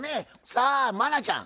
さあ茉奈ちゃん